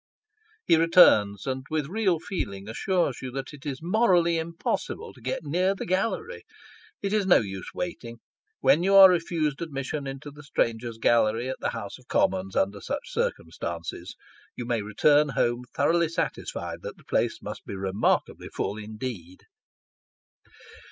He returns, and with real feeling assures you that it is morally impossible to get near the gallery. It is of no use waiting. When you are refused admission into the Strangers' Gallery at the House of Commons, under such circumstances, you may return home thoroughly satisfied that the place must be remarkably full indeed.